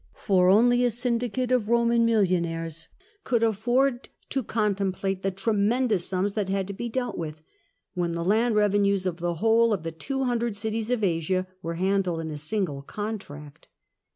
For only a syndicate of Roman millionaires could afford to contemplate the 68 CAIUS GEACCHUS tremondoiis sums that had to be dealt with, when the land revenues of the whole of the two hundred cities of Asia were handled in a single contract.